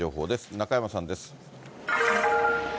中山さんです。